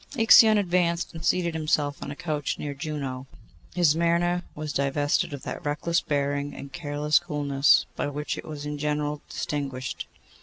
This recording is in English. Ixion advanced and seated himself on a couch near Juno. His manner was divested of that reckless bearing and careless coolness by which it was in general distinguished.